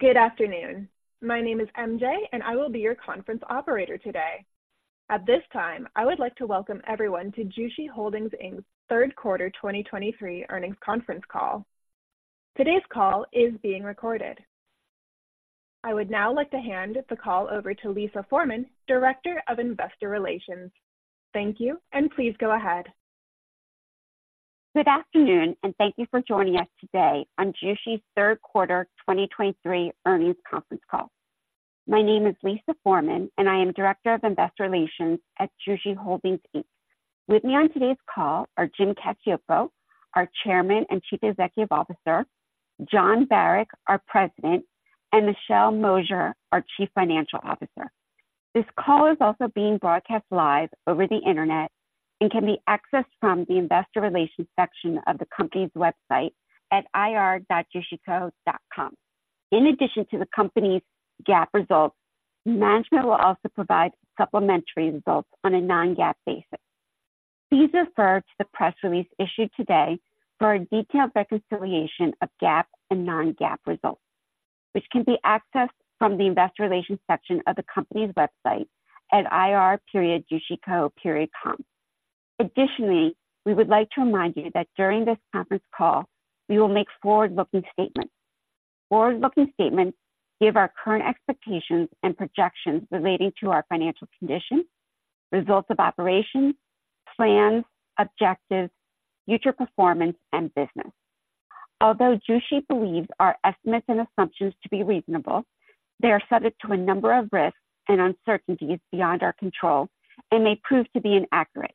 Good afternoon. My name is MJ, and I will be your conference operator today. At this time, I would like to welcome everyone to Jushi Holdings Inc's third quarter 2023 earnings conference call. Today's call is being recorded. I would now like to hand the call over to Lisa Forman, Director of Investor Relations. Thank you, and please go ahead. Good afternoon, and thank you for joining us today on Jushi's third quarter 2023 earnings conference call. My name is Lisa Forman, and I am Director of Investor Relations at Jushi Holdings Inc. With me on today's call are Jim Cacioppo, our Chairman and Chief Executive Officer, Jon Barack, our President, and Michelle Mosier, our Chief Financial Officer. This call is also being broadcast live over the internet and can be accessed from the investor relations section of the company's website at ir.jushico.com. In addition to the company's GAAP results, management will also provide supplementary results on a non-GAAP basis. Please refer to the press release issued today for a detailed reconciliation of GAAP and non-GAAP results, which can be accessed from the investor relations section of the company's website at ir.jushico.com. Additionally, we would like to remind you that during this conference call, we will make forward-looking statements. Forward-looking statements give our current expectations and projections relating to our financial condition, results of operations, plans, objectives, future performance, and business. Although Jushi believes our estimates and assumptions to be reasonable, they are subject to a number of risks and uncertainties beyond our control and may prove to be inaccurate.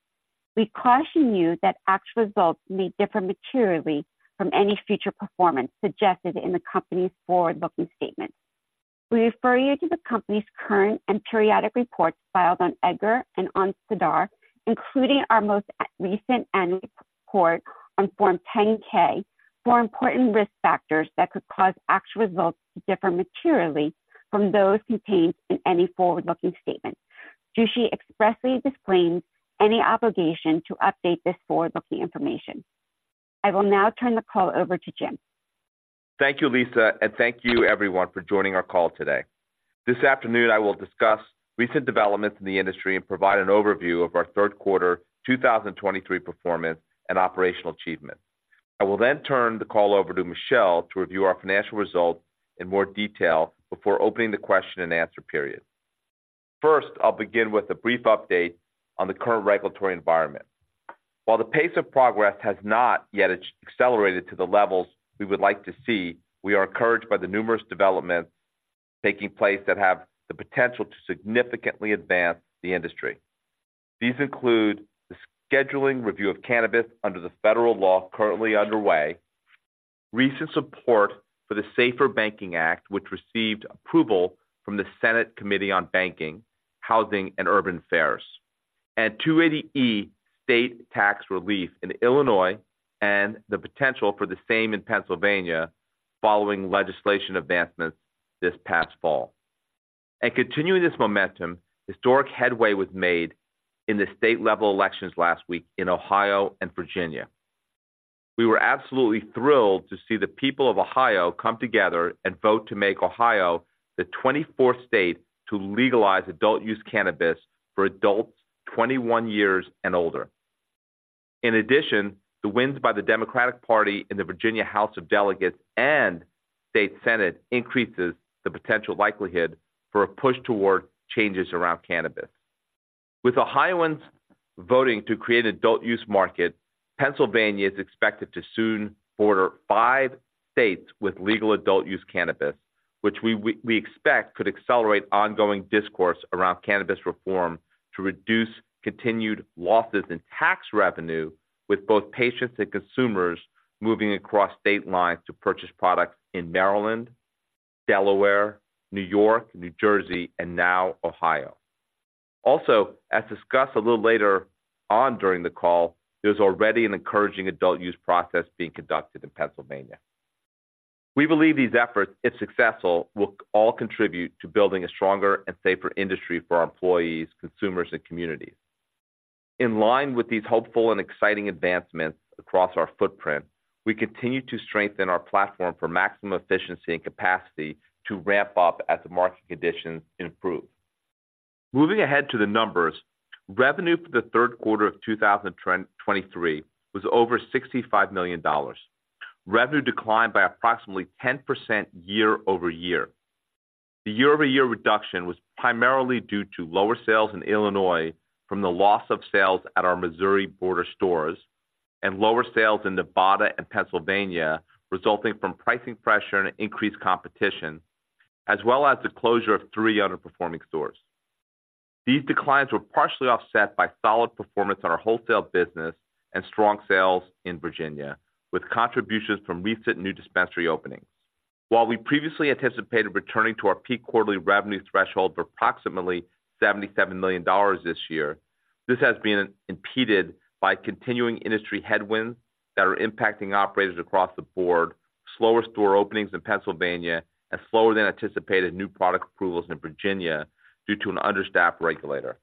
We caution you that actual results may differ materially from any future performance suggested in the company's forward-looking statements. We refer you to the company's current and periodic reports filed on EDGAR and on SEDAR, including our most recent annual report on Form 10-K, for important risk factors that could cause actual results to differ materially from those contained in any forward-looking statements. Jushi expressly disclaims any obligation to update this forward-looking information. I will now turn the call over to Jim. Thank you, Lisa, and thank you everyone for joining our call today. This afternoon, I will discuss recent developments in the industry and provide an overview of our third quarter 2023 performance and operational achievements. I will then turn the call over to Michelle to review our financial results in more detail before opening the question and answer period. First, I'll begin with a brief update on the current regulatory environment. While the pace of progress has not yet accelerated to the levels we would like to see, we are encouraged by the numerous developments taking place that have the potential to significantly advance the industry. These include the scheduling review of cannabis under the federal law currently underway, recent support for the SAFER Banking Act, which received approval from the Senate Committee on Banking, Housing, and Urban Affairs, and 280E state tax relief in Illinois, and the potential for the same in Pennsylvania following legislation advancements this past fall. Continuing this momentum, historic headway was made in the state-level elections last week in Ohio and Virginia. We were absolutely thrilled to see the people of Ohio come together and vote to make Ohio the 24th state to legalize adult-use cannabis for adults 21 years and older. In addition, the wins by the Democratic Party in the Virginia House of Delegates and State Senate increases the potential likelihood for a push toward changes around cannabis. With Ohioans voting to create an adult-use market, Pennsylvania is expected to soon border five states with legal adult-use cannabis, which we expect could accelerate ongoing discourse around cannabis reform to reduce continued losses in tax revenue, with both patients and consumers moving across state lines to purchase products in Maryland, Delaware, New York, New Jersey, and now Ohio. Also, as discussed a little later on during the call, there's already an encouraging adult use process being conducted in Pennsylvania. We believe these efforts, if successful, will all contribute to building a stronger and safer industry for our employees, consumers, and communities. In line with these hopeful and exciting advancements across our footprint, we continue to strengthen our platform for maximum efficiency and capacity to ramp up as the market conditions improve. Moving ahead to the numbers. Revenue for the third quarter of 2023 was over $65 million. Revenue declined by approximately 10% year-over-year. The year-over-year reduction was primarily due to lower sales in Illinois from the loss of sales at our Missouri border stores and lower sales in Nevada and Pennsylvania, resulting from pricing pressure and increased competition, as well as the closure of three underperforming stores. These declines were partially offset by solid performance on our wholesale business and strong sales in Virginia, with contributions from recent new dispensary openings. While we previously anticipated returning to our peak quarterly revenue threshold of approximately $77 million this year, this has been impeded by continuing industry headwinds that are impacting operators across the board, slower store openings in Pennsylvania, and slower than anticipated new product approvals in Virginia due to an understaffed regulator.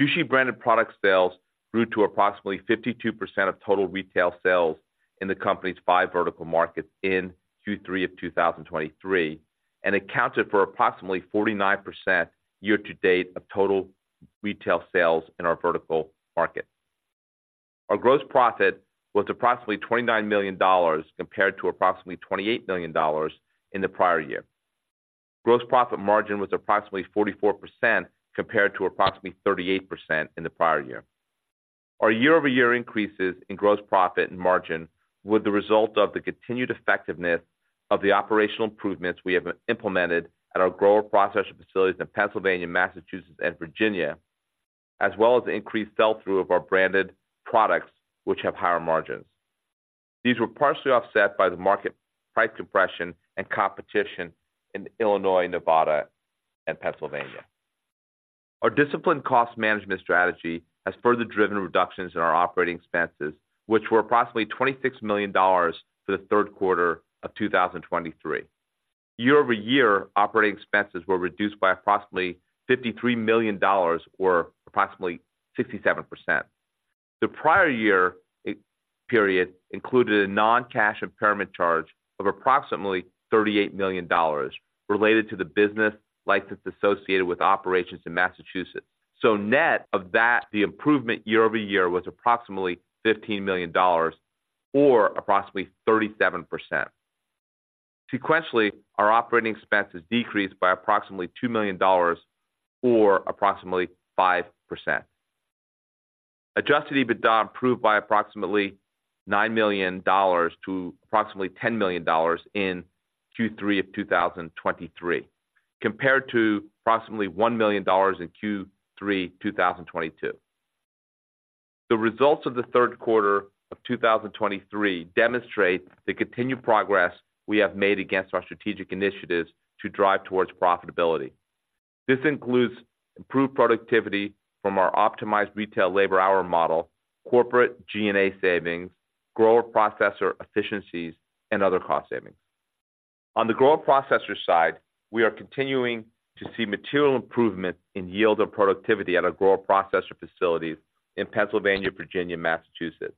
Jushi branded product sales grew to approximately 52% of total retail sales in the company's five vertical markets in Q3 of 2023, and accounted for approximately 49% year-to-date of total retail sales in our vertical market. Our gross profit was approximately $29 million, compared to approximately $28 million in the prior year. Gross profit margin was approximately 44%, compared to approximately 38% in the prior year. Our year-over-year increases in gross profit and margin were the result of the continued effectiveness of the operational improvements we have implemented at our grower processing facilities in Pennsylvania, Massachusetts, and Virginia, as well as the increased sell-through of our branded products, which have higher margins. These were partially offset by the market price compression and competition in Illinois, Nevada, and Pennsylvania. Our disciplined cost management strategy has further driven reductions in our operating expenses, which were approximately $26 million for the third quarter of 2023. Year-over-year, operating expenses were reduced by approximately $53 million or approximately 67%. The prior year, period included a non-cash impairment charge of approximately $38 million related to the business license associated with operations in Massachusetts. So net of that, the improvement year-over-year was approximately $15 million or approximately 37%. Sequentially, our operating expenses decreased by approximately $2 million or approximately 5%. Adjusted EBITDA improved by approximately $9 million to approximately $10 million in Q3 of 2023, compared to approximately $1 million in Q3, 2022. The results of the third quarter of 2023 demonstrate the continued progress we have made against our strategic initiatives to drive towards profitability. This includes improved productivity from our optimized retail labor hour model, corporate G&A savings, grower-processor efficiencies, and other cost savings. On the grower-processor side, we are continuing to see material improvement in yield and productivity at our grower-processor facilities in Pennsylvania, Virginia, and Massachusetts.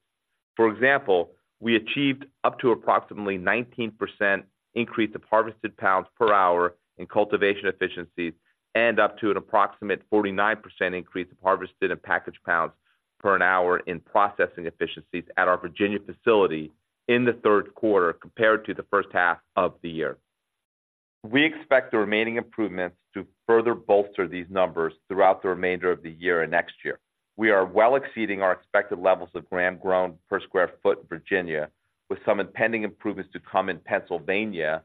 For example, we achieved up to approximately 19% increase of harvested pounds per hour in cultivation efficiencies, and up to an approximate 49% increase of harvested and packaged pounds per man-hour in processing efficiencies at our Virginia facility in the third quarter compared to the first half of the year. We expect the remaining improvements to further bolster these numbers throughout the remainder of the year and next year. We are well exceeding our expected levels of gram grown per square foot in Virginia, with some impending improvements to come in Pennsylvania,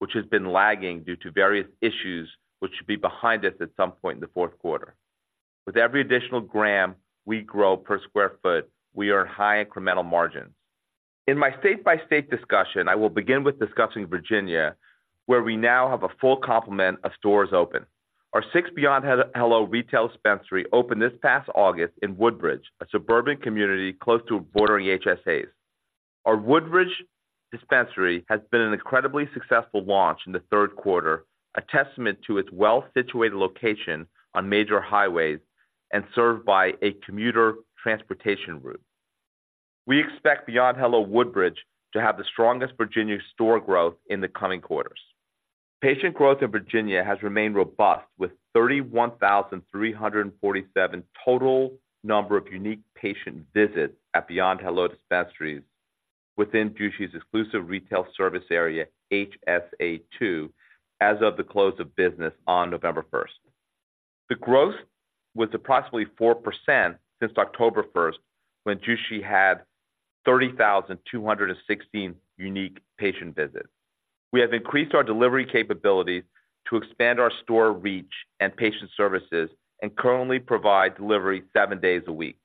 which has been lagging due to various issues, which should be behind us at some point in the fourth quarter. With every additional gram we grow per square foot, we earn high incremental margins. In my state-by-state discussion, I will begin with discussing Virginia, where we now have a full complement of stores open. Our sixth Beyond Hello retail dispensary opened this past August in Woodbridge, a suburban community close to a bordering HSAs. Our Woodbridge dispensary has been an incredibly successful launch in the third quarter, a testament to its well-situated location on major highways and served by a commuter transportation route. We expect Beyond Hello, Woodbridge, to have the strongest Virginia store growth in the coming quarters. Patient growth in Virginia has remained robust, with 31,347 total number of unique patient visits at Beyond Hello dispensaries within Jushi's exclusive retail service area, HSA II, as of the close of business on November 1st. The growth was approximately 4% since October 1st, when Jushi had 30,216 unique patient visits. We have increased our delivery capabilities to expand our store reach and patient services, and currently provide delivery seven days a week.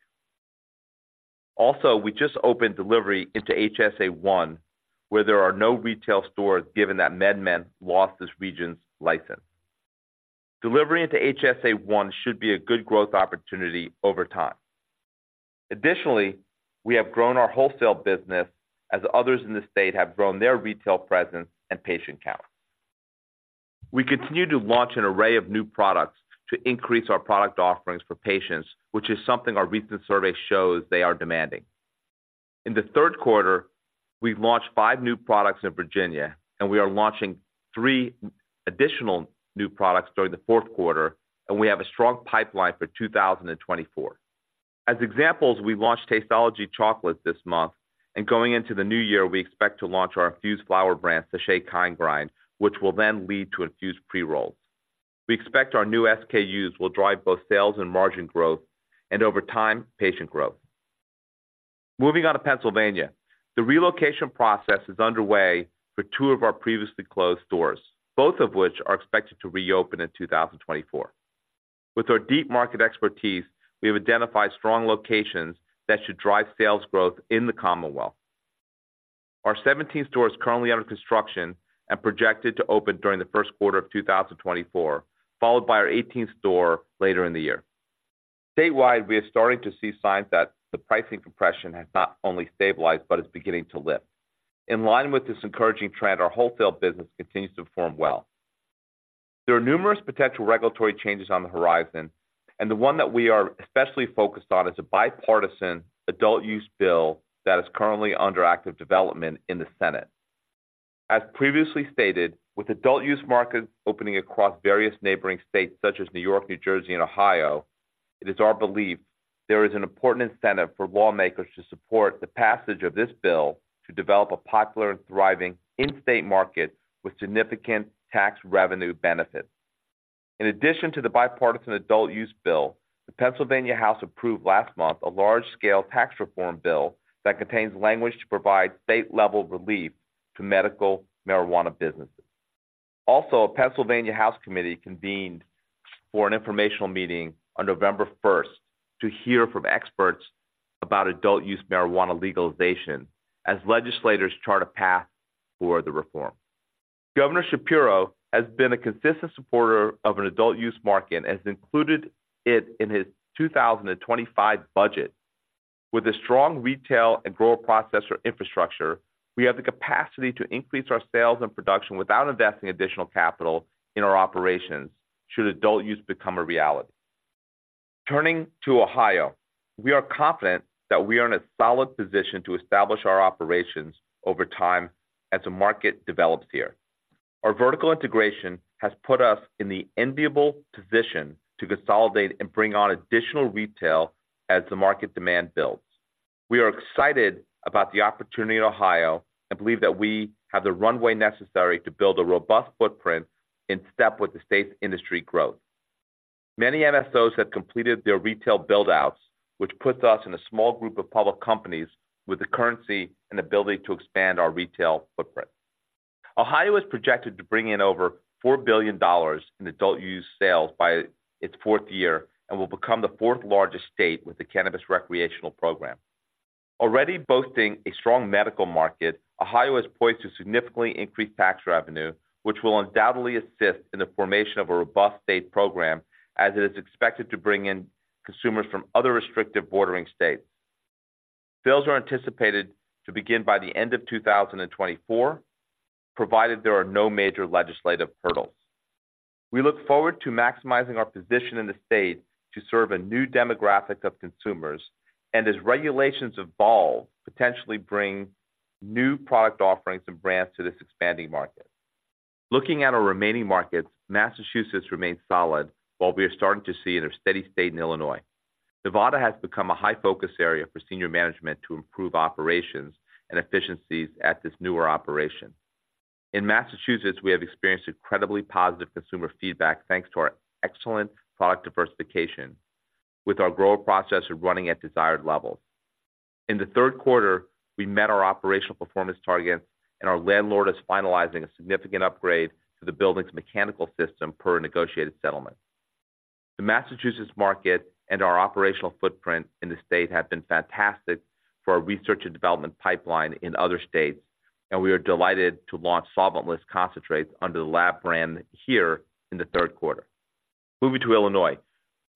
Also, we just opened delivery into HSA I, where there are no retail stores, given that MedMen lost this region's license. Delivery into HSA I should be a good growth opportunity over time. Additionally, we have grown our wholesale business as others in the state have grown their retail presence and patient count. We continue to launch an array of new products to increase our product offerings for patients, which is something our recent survey shows they are demanding. In the third quarter, we've launched five new products in Virginia, and we are launching three additional new products during the fourth quarter, and we have a strong pipeline for 2024. As examples, we launched Tasteology Chocolate this month, and going into the new year, we expect to launch our infused flower brand, SeChe Kind Grind, which will then lead to infused pre-rolls. We expect our new SKUs will drive both sales and margin growth, and over time, patient growth. Moving on to Pennsylvania. The relocation process is underway for two of our previously closed stores, both of which are expected to reopen in 2024. With our deep market expertise, we have identified strong locations that should drive sales growth in the Commonwealth. Our seventeenth store is currently under construction and projected to open during the first quarter of 2024, followed by our eighteenth store later in the year. Statewide, we are starting to see signs that the pricing compression has not only stabilized but is beginning to lift. In line with this encouraging trend, our wholesale business continues to perform well. There are numerous potential regulatory changes on the horizon, and the one that we are especially focused on is a bipartisan adult use bill that is currently under active development in the Senate. As previously stated, with adult use market opening across various neighboring states such as New York, New Jersey, and Ohio, it is our belief there is an important incentive for lawmakers to support the passage of this bill to develop a popular and thriving in-state market with significant tax revenue benefits. In addition to the bipartisan adult use bill, the Pennsylvania House approved last month, a large-scale tax reform bill that contains language to provide state-level relief to medical marijuana businesses. Also, a Pennsylvania House committee convened for an informational meeting on November first to hear from experts about adult use marijuana legalization as legislators chart a path for the reform. Governor Shapiro has been a consistent supporter of an adult use market and has included it in his 2025 budget. With a strong retail and grower-processor infrastructure, we have the capacity to increase our sales and production without investing additional capital in our operations, should adult use become a reality. Turning to Ohio, we are confident that we are in a solid position to establish our operations over time as the market develops here. Our vertical integration has put us in the enviable position to consolidate and bring on additional retail as the market demand builds. We are excited about the opportunity in Ohio and believe that we have the runway necessary to build a robust footprint in step with the state's industry growth. Many MSOs have completed their retail build-outs, which puts us in a small group of public companies with the currency and ability to expand our retail footprint. Ohio is projected to bring in over $4 billion in adult use sales by its fourth year and will become the fourth-largest state with a cannabis recreational program. Already boasting a strong medical market, Ohio is poised to significantly increase tax revenue, which will undoubtedly assist in the formation of a robust state program as it is expected to bring in consumers from other restrictive bordering states. Sales are anticipated to begin by the end of 2024, provided there are no major legislative hurdles. We look forward to maximizing our position in the state to serve a new demographic of consumers, and as regulations evolve, potentially bring new product offerings and brands to this expanding market. Looking at our remaining markets, Massachusetts remains solid, while we are starting to see in a steady state in Illinois. Nevada has become a high-focus area for senior management to improve operations and efficiencies at this newer operation. In Massachusetts, we have experienced incredibly positive consumer feedback, thanks to our excellent product diversification, with our grower processor running at desired levels. In the third quarter, we met our operational performance targets, and our landlord is finalizing a significant upgrade to the building's mechanical system per a negotiated settlement. The Massachusetts market and our operational footprint in the state have been fantastic for our research and development pipeline in other states, and we are delighted to launch solventless concentrates under The Lab brand here in the third quarter. Moving to Illinois,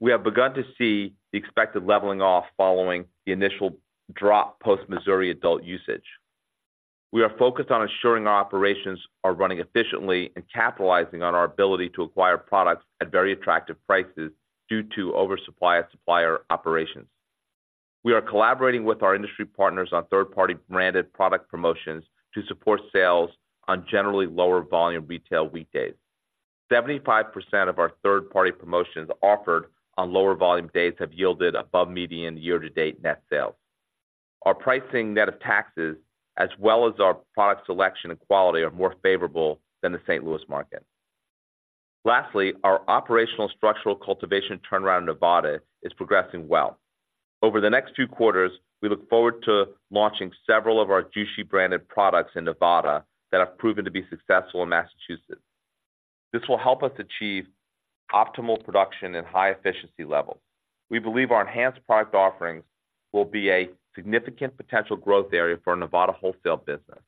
we have begun to see the expected leveling off following the initial drop post-Missouri adult-use. We are focused on ensuring our operations are running efficiently and capitalizing on our ability to acquire products at very attractive prices due to oversupply of supplier operations. We are collaborating with our industry partners on third-party branded product promotions to support sales on generally lower volume retail weekdays. 75% of our third-party promotions offered on lower volume days have yielded above median year-to-date net sales. Our pricing net of taxes, as well as our product selection and quality, are more favorable than the St. Louis market. Lastly, our operational structural cultivation turnaround in Nevada is progressing well. Over the next few quarters, we look forward to launching several of our Jushi-branded products in Nevada that have proven to be successful in Massachusetts. This will help us achieve optimal production and high efficiency levels. We believe our enhanced product offerings will be a significant potential growth area for our Nevada wholesale business.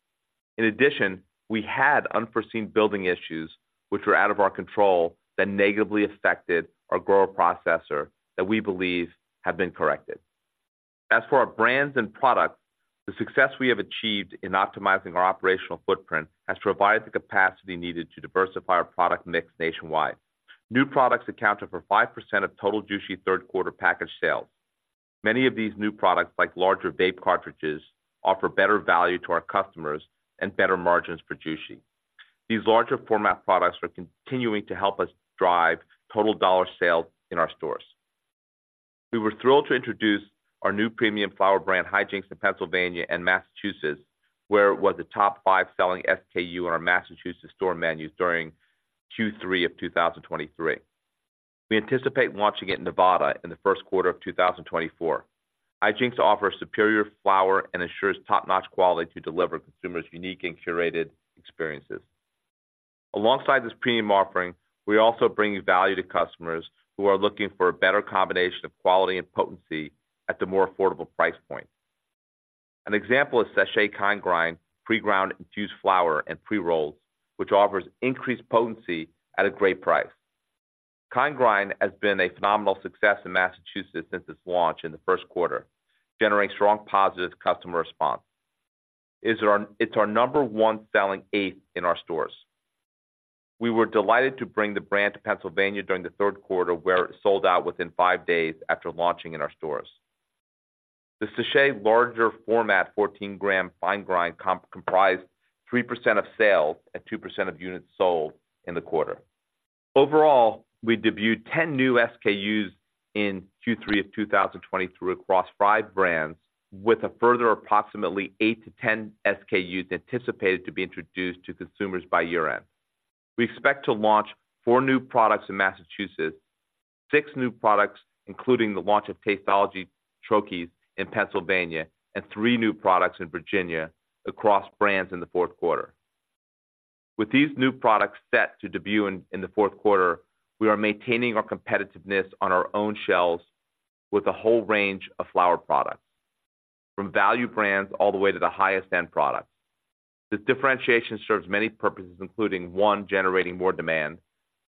In addition, we had unforeseen building issues, which were out of our control, that negatively affected our grower-processor, that we believe have been corrected. As for our brands and products, the success we have achieved in optimizing our operational footprint has provided the capacity needed to diversify our product mix nationwide. New products accounted for 5% of total Jushi third quarter packaged sales. Many of these new products, like larger vape cartridges, offer better value to our customers and better margins for Jushi. These larger format products are continuing to help us drive total dollar sales in our stores. We were thrilled to introduce our new premium flower brand, Hijinks, in Pennsylvania and Massachusetts, where it was the top five selling SKU on our Massachusetts store menus during Q3 of 2023. We anticipate launching it in Nevada in the first quarter of 2024. Hijinks offer superior flower and ensures top-notch quality to deliver consumers unique and curated experiences. Alongside this premium offering, we also bring value to customers who are looking for a better combination of quality and potency at the more affordable price point. An example is SeChe Kind Grind, pre-ground, infused flower, and pre-rolls, which offers increased potency at a great price. Fine Grind has been a phenomenal success in Massachusetts since its launch in the first quarter, generating strong, positive customer response. It's our number one selling eighth in our stores. We were delighted to bring the brand to Pennsylvania during the third quarter, where it sold out within five days after launching in our stores. The SeChe larger format, 14-gram Fine Grind comprised 3% of sales and 2% of units sold in the quarter. Overall, we debuted 10 new SKUs in Q3 of 2023 across five brands, with a further approximately 8-10 SKUs anticipated to be introduced to consumers by year-end. We expect to launch four new products in Massachusetts, six new products, including the launch of Tasteology Troches in Pennsylvania, and three new products in Virginia across brands in the fourth quarter. With these new products set to debut in the fourth quarter, we are maintaining our competitiveness on our own shelves with a whole range of flower products, from value brands all the way to the highest end products. This differentiation serves many purposes, including one, generating more demand.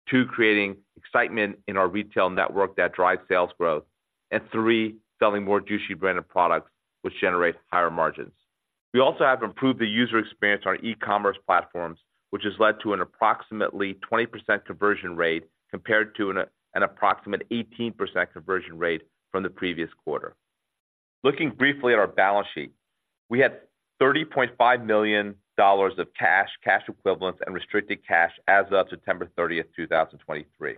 Two, creating excitement in our retail network that drives sales growth. And three, selling more Jushi-branded products, which generate higher margins. We also have improved the user experience on our e-commerce platforms, which has led to an approximately 20% conversion rate, compared to an approximate 18% conversion rate from the previous quarter. Looking briefly at our balance sheet, we had $30.5 million of cash, cash equivalents, and restricted cash as of September 30th, 2023.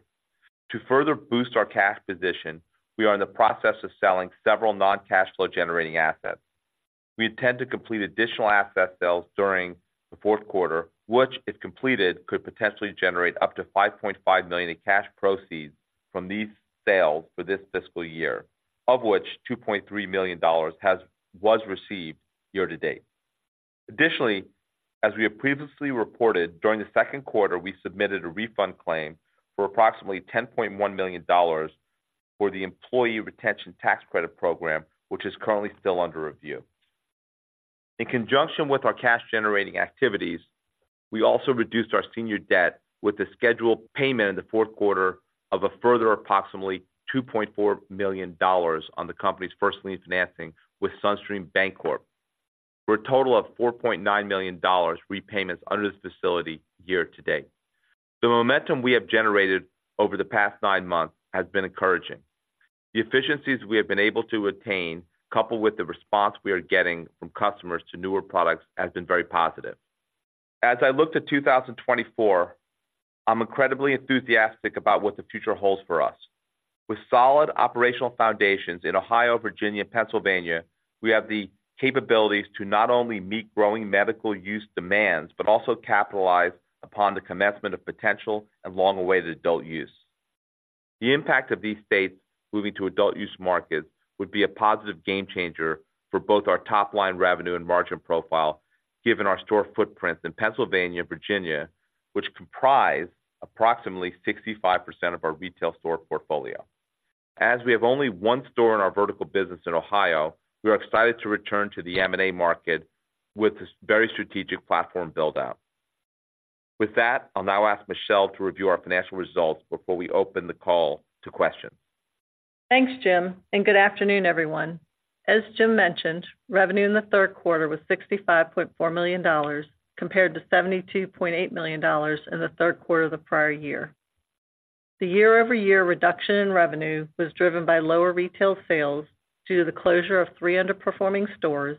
To further boost our cash position, we are in the process of selling several non-cash flow-generating assets. We intend to complete additional asset sales during the fourth quarter, which, if completed, could potentially generate up to $5.5 million in cash proceeds from these sales for this fiscal year, of which $2.3 million was received year to date. Additionally, as we have previously reported, during the second quarter, we submitted a refund claim for approximately $10.1 million for the Employee Retention Tax Credit program, which is currently still under review. In conjunction with our cash-generating activities, we also reduced our senior debt with the scheduled payment in the fourth quarter of a further approximately $2.4 million on the company's first lien financing with SunStream Bancorp, for a total of $4.9 million repayments under this facility year to date. The momentum we have generated over the past nine months has been encouraging. The efficiencies we have been able to attain, coupled with the response we are getting from customers to newer products, has been very positive. As I look to 2024, I'm incredibly enthusiastic about what the future holds for us. With solid operational foundations in Ohio, Virginia, and Pennsylvania, we have the capabilities to not only meet growing medical use demands, but also capitalize upon the commencement of potential and long-awaited adult use. The impact of these states moving to adult use markets would be a positive game changer for both our top-line revenue and margin profile, given our store footprints in Pennsylvania and Virginia, which comprise approximately 65% of our retail store portfolio. As we have only one store in our vertical business in Ohio, we are excited to return to the M&A market with this very strategic platform build-out. With that, I'll now ask Michelle to review our financial results before we open the call to questions. Thanks, Jim, and good afternoon, everyone. As Jim mentioned, revenue in the third quarter was $65.4 million, compared to $72.8 million in the third quarter of the prior year. The year-over-year reduction in revenue was driven by lower retail sales due to the closure of three underperforming stores,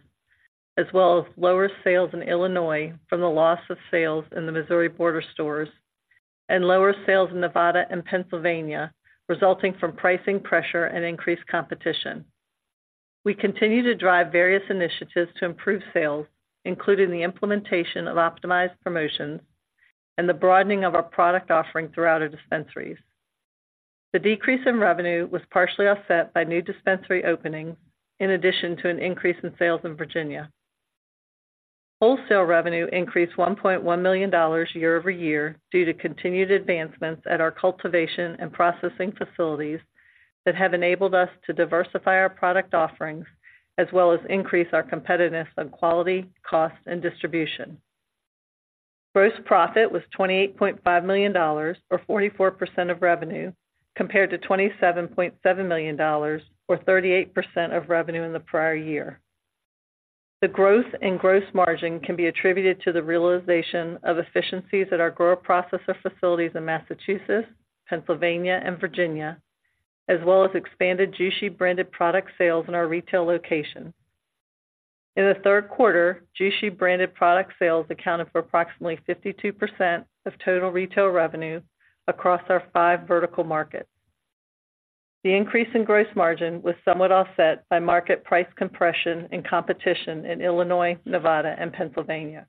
as well as lower sales in Illinois from the loss of sales in the Missouri border stores, and lower sales in Nevada and Pennsylvania, resulting from pricing pressure and increased competition. We continue to drive various initiatives to improve sales, including the implementation of optimized promotions and the broadening of our product offering throughout our dispensaries. The decrease in revenue was partially offset by new dispensary openings, in addition to an increase in sales in Virginia. Wholesale revenue increased $1.1 million year-over-year due to continued advancements at our cultivation and processing facilities that have enabled us to diversify our product offerings, as well as increase our competitiveness on quality, cost, and distribution. Gross profit was $28.5 million, or 44% of revenue, compared to $27.7 million, or 38% of revenue in the prior year. The growth in gross margin can be attributed to the realization of efficiencies at our grower-processor facilities in Massachusetts, Pennsylvania, and Virginia, as well as expanded Jushi-branded product sales in our retail locations. In the third quarter, Jushi-branded product sales accounted for approximately 52% of total retail revenue across our five vertical markets. The increase in gross margin was somewhat offset by market price compression and competition in Illinois, Nevada, and Pennsylvania.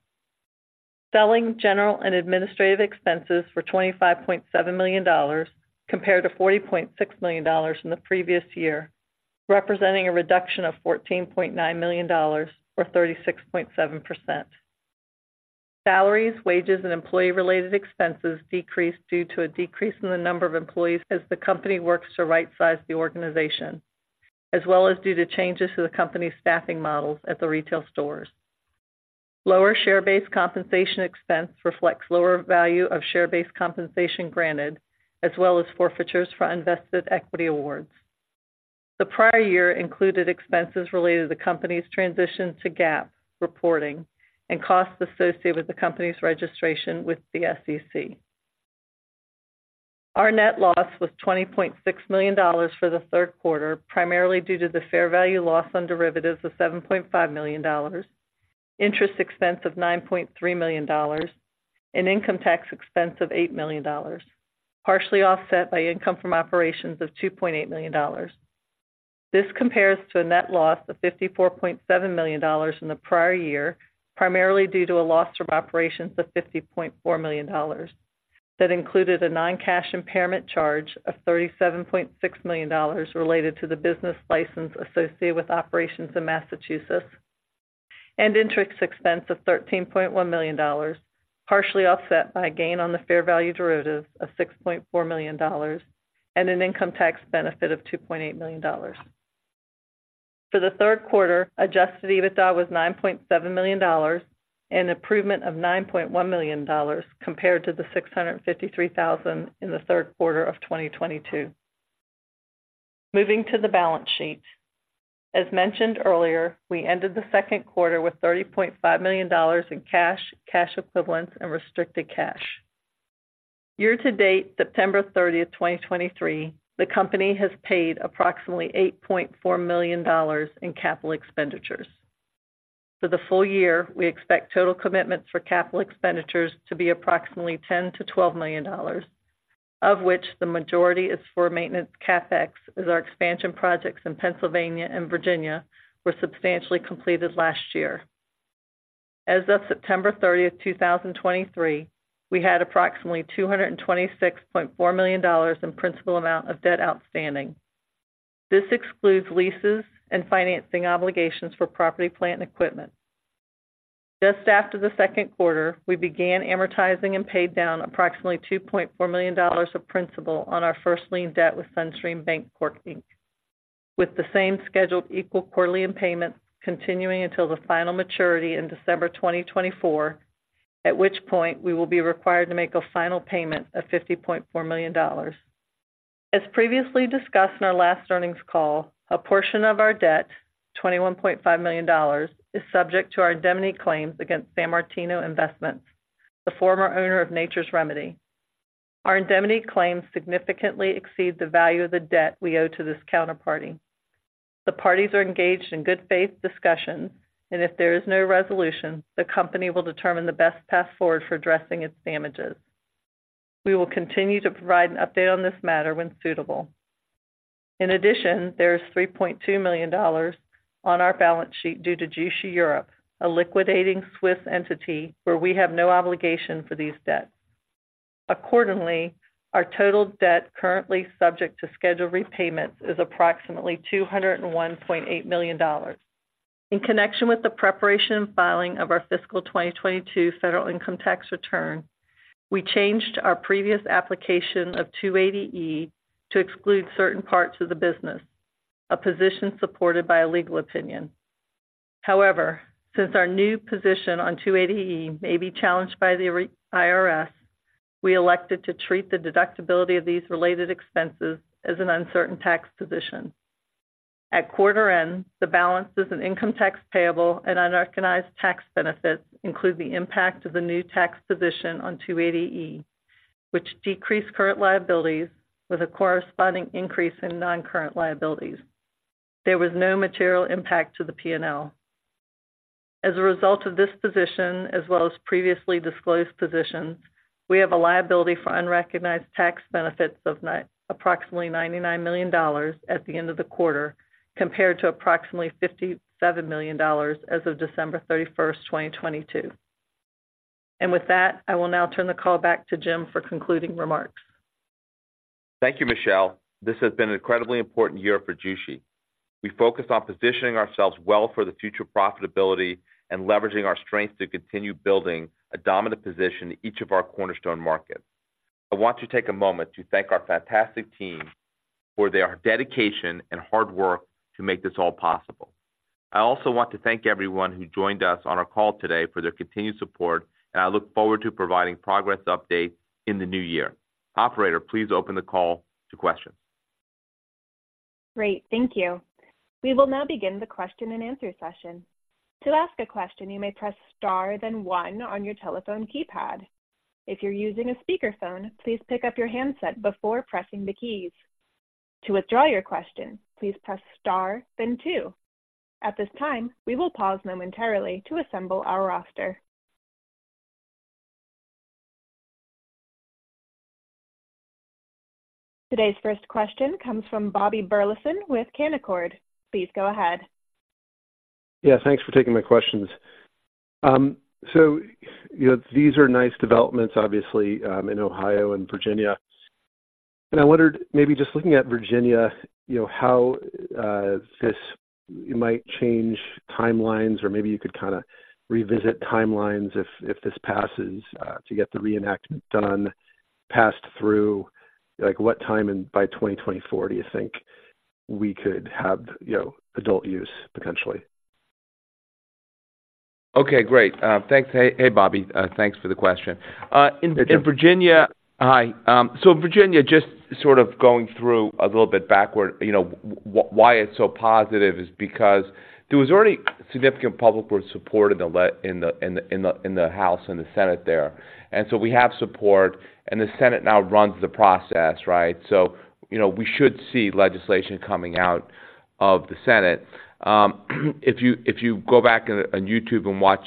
Selling, general and administrative expenses were $25.7 million, compared to $40.6 million in the previous year, representing a reduction of $14.9 million or 36.7%. Salaries, wages, and employee-related expenses decreased due to a decrease in the number of employees as the company works to rightsize the organization, as well as due to changes to the company's staffing models at the retail stores. Lower share-based compensation expense reflects lower value of share-based compensation granted, as well as forfeitures for unvested equity awards. The prior year included expenses related to the company's transition to GAAP reporting and costs associated with the company's registration with the SEC. Our net loss was $20.6 million for the third quarter, primarily due to the fair value loss on derivatives of $7.5 million, interest expense of $9.3 million, and income tax expense of $8 million, partially offset by income from operations of $2.8 million. This compares to a net loss of $54.7 million in the prior year, primarily due to a loss from operations of $50.4 million. That included a non-cash impairment charge of $37.6 million related to the business license associated with operations in Massachusetts, and interest expense of $13.1 million, partially offset by a gain on the fair value derivatives of $6.4 million and an income tax benefit of $2.8 million. For the third quarter, Adjusted EBITDA was $9.7 million, an improvement of $9.1 million compared to the $653,000 in the third quarter of 2022. Moving to the balance sheet. As mentioned earlier, we ended the second quarter with $30.5 million in cash, cash equivalents, and restricted cash. Year to date, September 30, 2023, the company has paid approximately $8.4 million in capital expenditures. For the full year, we expect total commitments for capital expenditures to be approximately $10 million-$12 million, of which the majority is for maintenance CapEx, as our expansion projects in Pennsylvania and Virginia were substantially completed last year. As of September 30, 2023, we had approximately $226.4 million in principal amount of debt outstanding. This excludes leases and financing obligations for property, plant, and equipment. Just after the second quarter, we began amortizing and paid down approximately $2.4 million of principal on our first lien debt with SunStream Bancorp Inc. With the same scheduled equal quarterly installment payments continuing until the final maturity in December 2024, at which point we will be required to make a final payment of $50.4 million. As previously discussed in our last earnings call, a portion of our debt, $21.5 million, is subject to our indemnity claims against San Martino Investments, the former owner of Nature's Remedy. Our indemnity claims significantly exceed the value of the debt we owe to this counterparty. The parties are engaged in good faith discussions, and if there is no resolution, the company will determine the best path forward for addressing its damages. We will continue to provide an update on this matter when suitable. In addition, there is $3.2 million on our balance sheet due to Jushi Europe, a liquidating Swiss entity where we have no obligation for these debts. Accordingly, our total debt currently subject to scheduled repayments is approximately $201.8 million. In connection with the preparation and filing of our fiscal 2022 federal income tax return, we changed our previous application of 280E to exclude certain parts of the business, a position supported by a legal opinion. However, since our new position on 280E may be challenged by the IRS, we elected to treat the deductibility of these related expenses as an uncertain tax position. At quarter end, the balances in income tax payable and unrecognized tax benefits include the impact of the new tax position on 280E, which decreased current liabilities with a corresponding increase in non-current liabilities. There was no material impact to the P&L. As a result of this position, as well as previously disclosed positions, we have a liability for unrecognized tax benefits of approximately $99 million at the end of the quarter, compared to approximately $57 million as of December 31, 2022. And with that, I will now turn the call back to Jim for concluding remarks. Thank you, Michelle. This has been an incredibly important year for Jushi. We focused on positioning ourselves well for the future profitability and leveraging our strengths to continue building a dominant position in each of our cornerstone markets. I want to take a moment to thank our fantastic team for their dedication and hard work to make this all possible. I also want to thank everyone who joined us on our call today for their continued support, and I look forward to providing progress updates in the new year. Operator, please open the call to questions. Great, thank you. We will now begin the question and answer session. To ask a question, you may press star, then one on your telephone keypad. If you're using a speakerphone, please pick up your handset before pressing the keys. To withdraw your question, please press star, then two. At this time, we will pause momentarily to assemble our roster. Today's first question comes from Bobby Burleson with Canaccord. Please go ahead. Yeah, thanks for taking my questions. So, these are nice developments, obviously, in Ohio and Virginia, and I wondered, maybe just looking at Virginia, you know, how, this might change timelines, or maybe you could kinda revisit timelines if, if this passes, to get the reenactment done, passed through, like, what time and by 2024, do you think?... we could have, you know, adult use potentially. Okay, great. Thanks. Hey, Bobby, thanks for the question. Hey, Jim. In Virginia. Hi, so Virginia, just sort of going through a little bit backward, you know, why it's so positive is because there was already significant public support in the House and the Senate there. And so we have support, and the Senate now runs the process, right? So, you know, we should see legislation coming out of the Senate. If you go back on YouTube and watch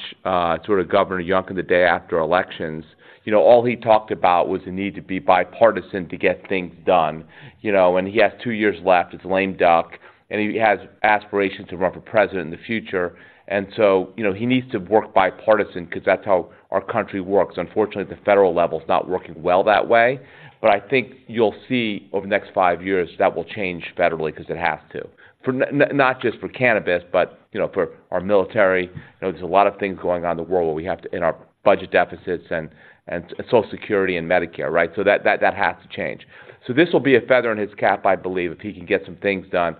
sort of Governor Youngkin, the day after elections, you know, all he talked about was the need to be bipartisan to get things done, you know, and he has two years left, it's a lame duck, and he has aspirations to run for president in the future. And so, you know, he needs to work bipartisan because that's how our country works. Unfortunately, the federal level is not working well that way, but I think you'll see over the next five years, that will change federally because it has to. For not just for cannabis, but, you know, for our military. You know, there's a lot of things going on in the world where we have to... In our budget deficits and, and Social Security and Medicare, right? So that, that, that has to change. So this will be a feather in his cap, I believe, if he can get some things done.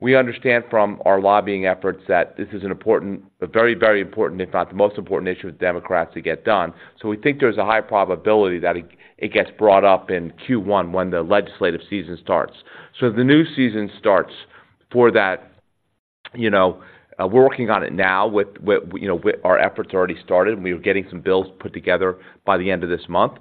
We understand from our lobbying efforts that this is an important, a very, very important, if not the most important issue with Democrats to get done. So we think there's a high probability that it, it gets brought up in Q1 when the legislative season starts. So the new season starts for that, you know, we're working on it now with, with, you know, our efforts are already started, and we're getting some bills put together by the end of this month,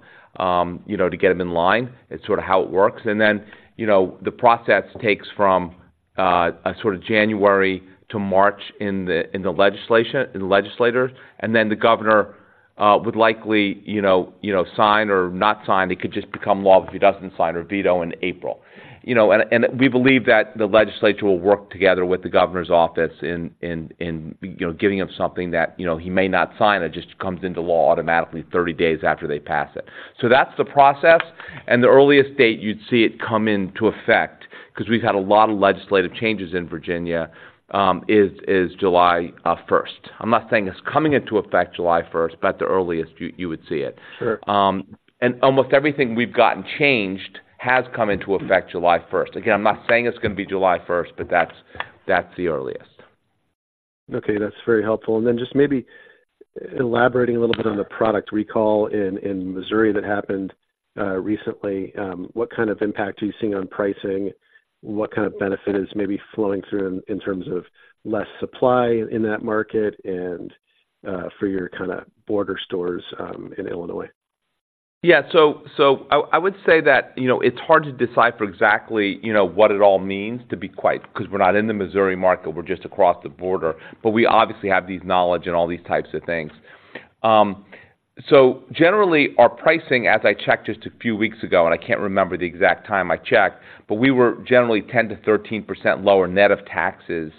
you know, to get them in line. It's sort of how it works. And then, you know, the process takes from a sort of January to March in the legislation, in the legislators, and then the governor would likely, you know, you know, sign or not sign. It could just become law if he doesn't sign or veto in April. You know, and, and we believe that the legislature will work together with the governor's office in, in, in, you know, giving him something that, you know, he may not sign, it just comes into law automatically 30 days after they pass it. So that's the process, and the earliest date you'd see it come into effect, because we've had a lot of legislative changes in Virginia, is July 1st. I'm not saying it's coming into effect July 1st, but the earliest you would see it. Sure. Almost everything we've gotten changed has come into effect July 1st. Again, I'm not saying it's going to be July 1st, but that's the earliest. Okay, that's very helpful. And then just maybe elaborating a little bit on the product recall in, in Missouri that happened recently. What kind of impact are you seeing on pricing? What kind of benefit is maybe flowing through in, in terms of less supply in that market and, for your kind of border stores, in Illinois? Yeah. So, I would say that, you know, it's hard to decipher exactly, you know, what it all means to be quite... Because we're not in the Missouri market, we're just across the border, but we obviously have this knowledge and all these types of things. So generally, our pricing, as I checked just a few weeks ago, and I can't remember the exact time I checked, but we were generally 10%-13% lower net of taxes,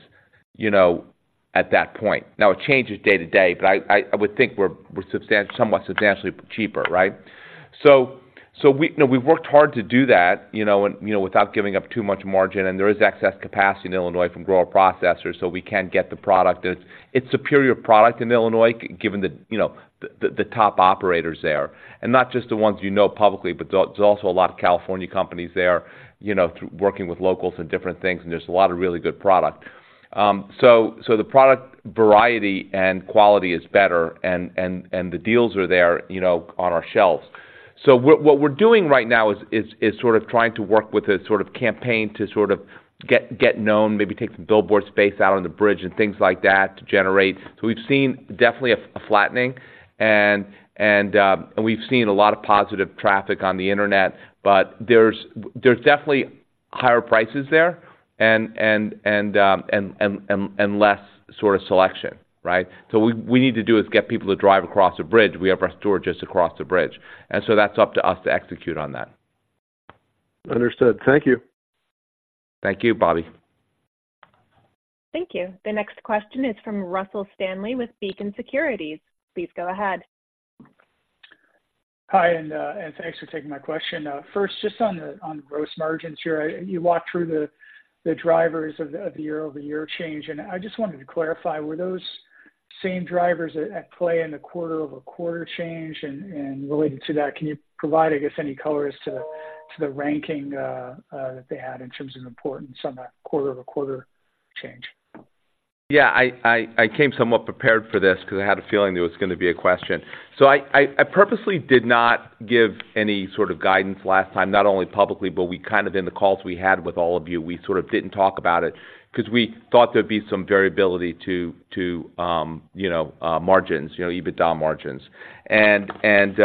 you know, at that point. Now, it changes day to day, but I would think we're somewhat substantially cheaper, right? So, we, you know, we've worked hard to do that, you know, and, you know, without giving up too much margin, and there is excess capacity in Illinois from grower processors, so we can get the product. It's superior product in Illinois, given the, you know, the top operators there. And not just the ones you know publicly, but there's also a lot of California companies there, you know, working with locals and different things, and there's a lot of really good product. So the product variety and quality is better, and the deals are there, you know, on our shelves. So what we're doing right now is sort of trying to work with a sort of campaign to sort of get known, maybe take some billboard space out on the bridge and things like that to generate. So we've seen definitely a flattening and we've seen a lot of positive traffic on the internet, but there's definitely higher prices there and less sort of selection, right? So we need to do is get people to drive across the bridge. We have our store just across the bridge, and so that's up to us to execute on that. Understood. Thank you. Thank you, Bobby. Thank you. The next question is from Russell Stanley with Beacon Securities. Please go ahead. Hi, and thanks for taking my question. First, just on the gross margins here. You walked through the drivers of the year-over-year change, and I just wanted to clarify, were those same drivers at play in the quarter-over-quarter change? And related to that, can you provide, I guess, any color as to the ranking that they had in terms of importance on that quarter-over-quarter change? Yeah, I, I, I came somewhat prepared for this because I had a feeling it was going to be a question. So I, I, I purposely did not give any sort of guidance last time, not only publicly, but we kind of in the calls we had with all of you, we sort of didn't talk about it because we thought there'd be some variability to, to, you know, margins, you know, EBITDA margins. And, and,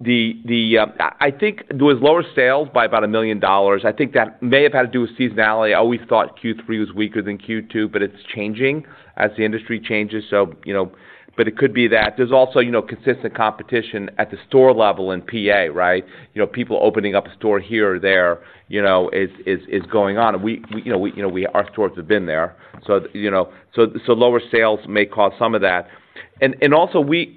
the, the... I think there was lower sales by about $1 million. I think that may have had to do with seasonality. I always thought Q3 was weaker than Q2, but it's changing as the industry changes. So, you know, but it could be that. There's also, you know, consistent competition at the store level in PA, right? You know, people opening up a store here or there, you know, is going on. And we, you know, our stores have been there, so, you know, so lower sales may cause some of that. And also we,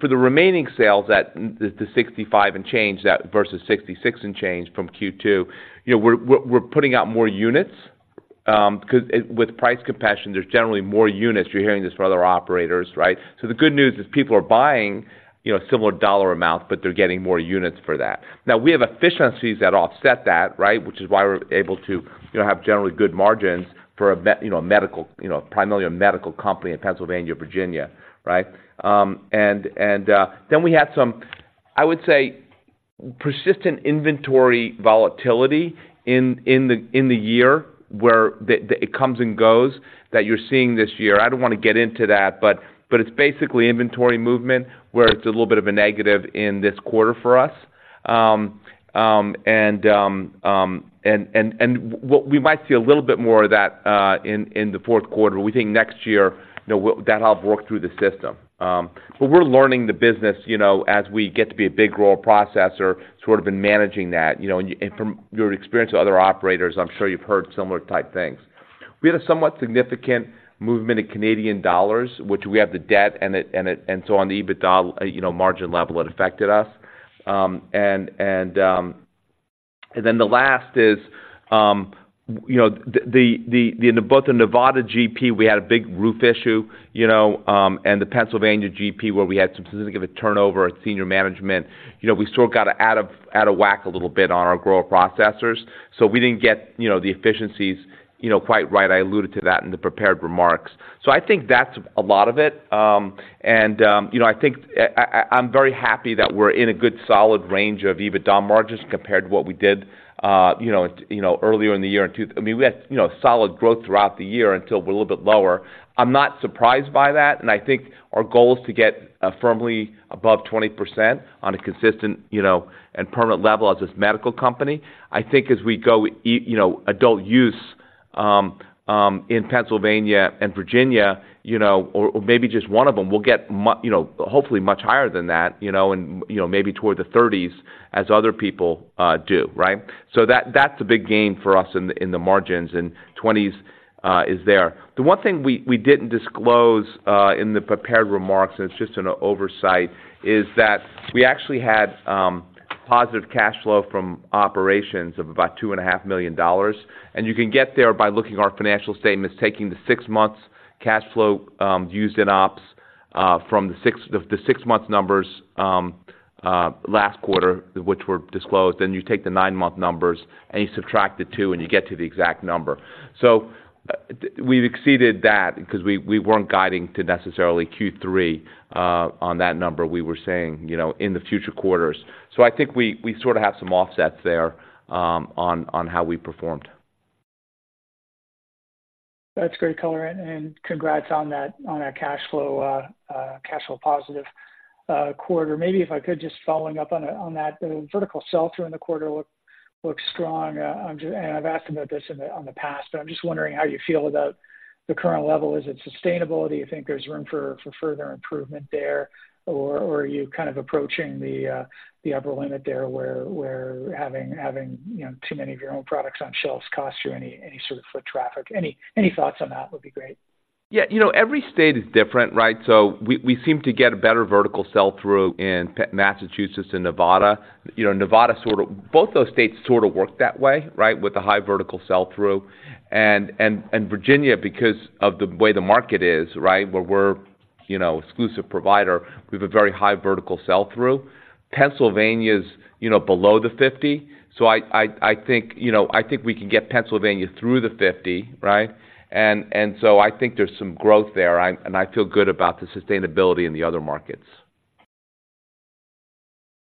for the remaining sales at the 65 and change that versus 66 and change from Q2, you know, we're putting out more units. Because it, with price compression, there's generally more units. You're hearing this from other operators, right? So the good news is people are buying, you know, similar dollar amounts, but they're getting more units for that. Now, we have efficiencies that offset that, right? Which is why we're able to, you know, have generally good margins for a medical, you know, primarily a medical company in Pennsylvania, Virginia, right? Then we had some, I would say, persistent inventory volatility in the year, where it comes and goes, that you're seeing this year. I don't want to get into that, but it's basically inventory movement, where it's a little bit of a negative in this quarter for us. What we might see a little bit more of that in the fourth quarter. We think next year, you know, we'll, that'll have worked through the system. But we're learning the business, you know, as we get to be a big grower processor, sort of in managing that, you know, and from your experience with other operators, I'm sure you've heard similar type things. We had a somewhat significant movement in Canadian dollars, which we have the debt and it, and it, and so on the EBITDA, you know, margin level, it affected us. And then the last is, you know, the, the, the, both the Nevada GP, we had a big roof issue, you know, and the Pennsylvania GP, where we had some significant turnover at senior management. You know, we sort of got out of, out of whack a little bit on our grower processors, so we didn't get, you know, the efficiencies, you know, quite right. I alluded to that in the prepared remarks. So I think that's a lot of it. And, you know, I think I, I'm very happy that we're in a good solid range of EBITDA margins compared to what we did, you know, earlier in the year in two... I mean, we had, you know, solid growth throughout the year until we're a little bit lower. I'm not surprised by that, and I think our goal is to get firmly above 20% on a consistent, you know, and permanent level as this medical company. I think as we go, you know, adult use in Pennsylvania and Virginia, you know, or, or maybe just one of them, we'll get, you know, hopefully much higher than that, you know, and, you know, maybe toward the 30s as other people do, right? So that's a big gain for us in the margins, and 20s is there. The one thing we didn't disclose in the prepared remarks, and it's just an oversight, is that we actually had positive cash flow from operations of about $2.5 million. And you can get there by looking at our financial statements, taking the six-month cash flow used in ops from the six-month numbers last quarter, which were disclosed, then you take the nine-month numbers and you subtract the two, and you get to the exact number. So we've exceeded that because we weren't guiding to necessarily Q3 on that number. We were saying, you know, in the future quarters. So I think we sort of have some offsets there on how we performed. That's great color, and congrats on that cash flow positive quarter. Maybe if I could just follow up on that, the vertical sell-through in the quarter looks strong. I'm just and I've asked about this in the past, but I'm just wondering how you feel about the current level. Is it sustainable? Do you think there's room for further improvement there, or are you kind of approaching the upper limit there, where having you know too many of your own products on shelves costs you any sort of foot traffic? Any thoughts on that would be great. Yeah, you know, every state is different, right? So we seem to get a better vertical sell-through in Pennsylvania, Massachusetts, and Nevada. You know, Nevada sort of, both those states sort of work that way, right, with a high vertical sell-through. And Virginia, because of the way the market is, right, where we're, you know, exclusive provider, we have a very high vertical sell-through. Pennsylvania's, you know, below the 50, so I think, you know, I think we can get Pennsylvania through the 50, right? And so I think there's some growth there, and I feel good about the sustainability in the other markets.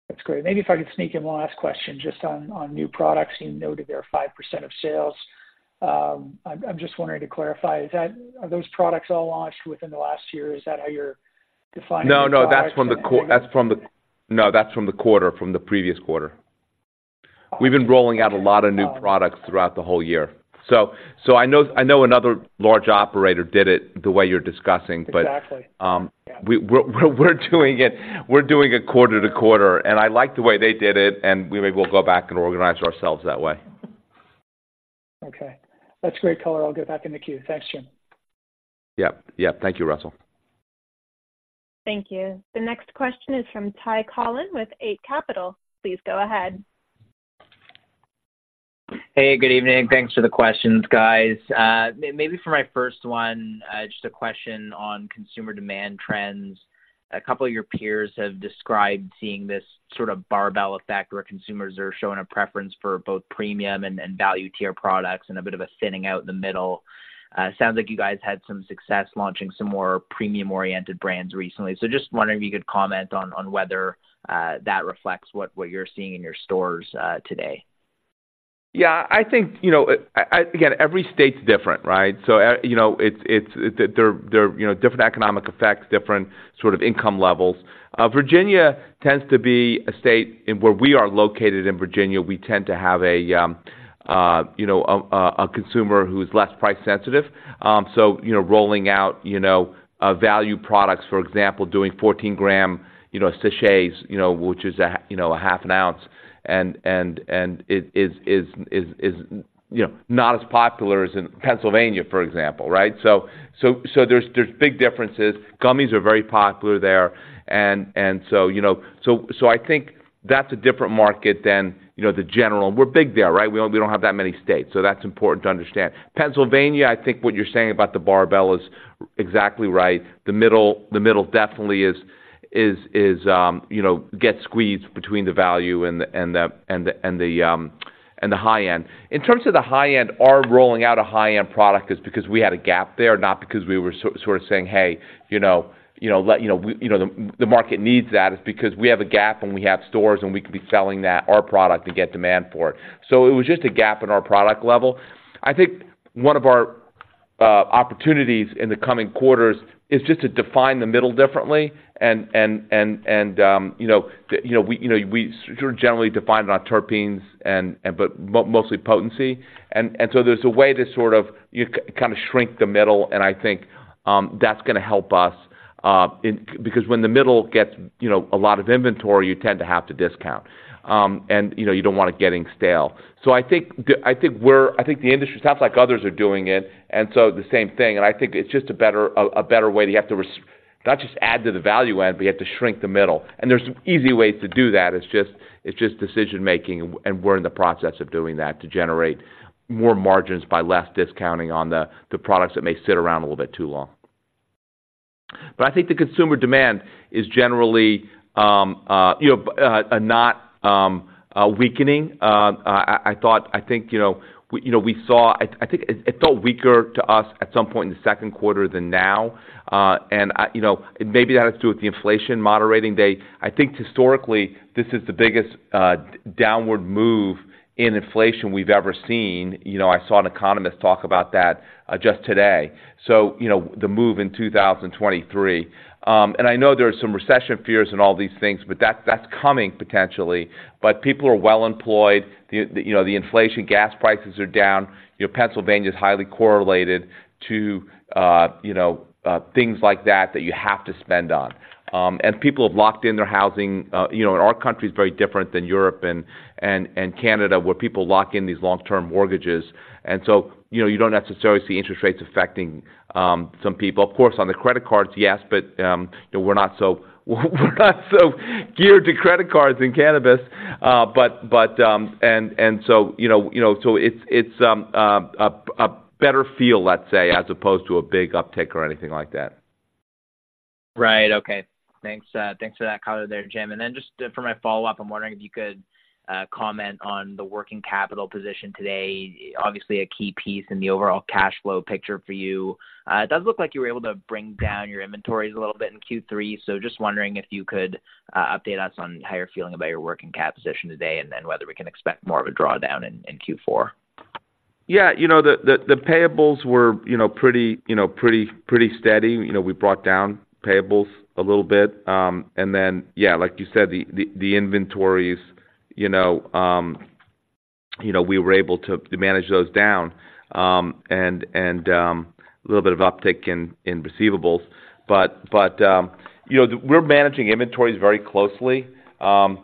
That's great. Maybe if I could sneak in one last question just on, on new products. You noted they're 5% of sales. I'm just wondering to clarify, is that, are those products all launched within the last year? Is that how you're defining- No, no, that's from the quarter, from the previous quarter. Okay. We've been rolling out a lot of new products throughout the whole year. So, I know another large operator did it the way you're discussing, but- Exactly. Um- Yeah. We're doing it quarter to quarter, and I like the way they did it, and we may well go back and organize ourselves that way. Okay. That's great color. I'll get back in the queue. Thanks, Jim. Yep, yep. Thank you, Russell. Thank you. The next question is from Ty Collin with Eight Capital. Please go ahead. Hey, good evening. Thanks for the questions, guys. Maybe for my first one, just a question on consumer demand trends. A couple of your peers have described seeing this sort of barbell effect, where consumers are showing a preference for both premium and value tier products and a bit of a thinning out in the middle. Sounds like you guys had some success launching some more premium-oriented brands recently. So just wondering if you could comment on whether that reflects what you're seeing in your stores today. Yeah, I think, you know, I, again, every state's different, right? So, you know, different economic effects, different sort of income levels. Virginia tends to be a state... In where we are located in Virginia, we tend to have a, you know, a consumer who's less price sensitive. So, you know, rolling out, you know, value products, for example, doing 14-gram, you know, SeChe, you know, which is a half, you know, a half an ounce, and it is, you know, not as popular as in Pennsylvania, for example, right? So there's big differences. Gummies are very popular there, and so, you know. So I think that's a different market than, you know, the general. We're big there, right? We don't have that many states, so that's important to understand. Pennsylvania, I think what you're saying about the barbell is exactly right. The middle definitely is, you know, gets squeezed between the value and the high end. In terms of the high end, our rolling out a high-end product is because we had a gap there, not because we were sort of saying, "Hey, you know, let you know, we, you know, the market needs that." It's because we have a gap, and we have stores, and we could be selling that our product and get demand for it. So it was just a gap in our product level. I think one of our opportunities in the coming quarters is just to define the middle differently. You know, you know, we sort of generally define it on terpenes and but mostly potency. So there's a way to sort of you kind of shrink the middle, and I think that's gonna help us in... Because when the middle gets, you know, a lot of inventory, you tend to have to discount. And, you know, you don't want it getting stale. So I think the industry sounds like others are doing it, and so the same thing. And I think it's just a better, a, a better way that you have to not just add to the value add, but you have to shrink the middle. And there's easy ways to do that. It's just, it's just decision-making, and, and we're in the process of doing that to generate more margins by less discounting on the, the products that may sit around a little bit too long. But I think the consumer demand is generally, you know, not weakening. I thought... I think, you know, we, you know, we saw-- I think it felt weaker to us at some point in the second quarter than now. And I, you know, and maybe that has to do with the inflation moderating day. I think historically, this is the biggest downward move in inflation we've ever seen. You know, I saw an economist talk about that just today. So, you know, the move in 2023. I know there are some recession fears and all these things, but that's coming potentially. But people are well employed. You know, the inflation, gas prices are down. You know, Pennsylvania is highly correlated to, you know, things like that that you have to spend on. And people have locked in their housing. You know, and our country is very different than Europe and Canada, where people lock in these long-term mortgages. And so, you know, you don't necessarily see interest rates affecting some people. Of course, on the credit cards, yes, but you know, we're not so, we're not so geared to credit cards in cannabis. But... So, you know, it's a better feel, let's say, as opposed to a big uptick or anything like that. Right. Okay. Thanks, thanks for that color there, Jim. And then just for my follow-up, I'm wondering if you could comment on the working capital position today. Obviously, a key piece in the overall cash flow picture for you. It does look like you were able to bring down your inventories a little bit in Q3. So just wondering if you could update us on how you're feeling about your working cap position today, and then whether we can expect more of a drawdown in Q4. Yeah, you know, the payables were, you know, pretty, you know, pretty steady. You know, we brought down payables a little bit. And then, yeah, like you said, the inventories, you know, we were able to manage those down. And a little bit of uptick in receivables. But you know, we're managing inventories very closely. And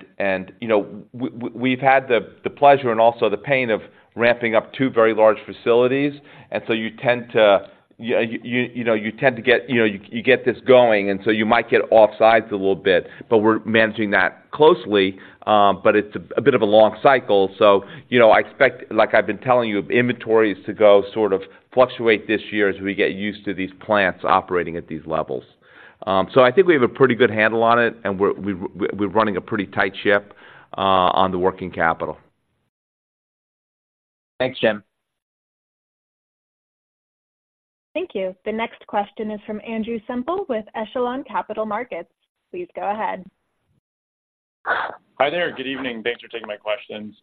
you know, we've had the pleasure and also the pain of ramping up two very large facilities, and so you tend to, you know, you tend to get... You know, you get this going, and so you might get off sides a little bit, but we're managing that closely. But it's a bit of a long cycle. So, you know, I expect, like I've been telling you, inventories to go sort of fluctuate this year as we get used to these plants operating at these levels. So I think we have a pretty good handle on it, and we're running a pretty tight ship on the working capital. Thanks, Jim. Thank you. The next question is from Andrew Semple with Echelon Capital Markets. Please go ahead. Hi there. Good evening. Thanks for taking my questions.